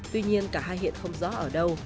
tuy nhiên cả hai hiện không rõ ở đâu